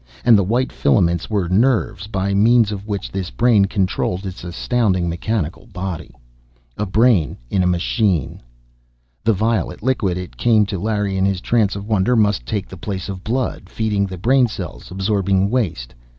And the white filaments were nerves, by means of which this brain controlled its astounding, mechanical body! A brain in a machine! The violet liquid, it came to Larry in his trance of wonder, must take the place of blood, feeding the brain cells, absorbing waste.